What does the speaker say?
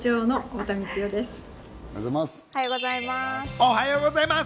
おはようございます。